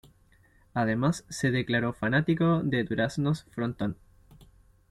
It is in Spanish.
Además se declaró fanático de Duraznos Frontón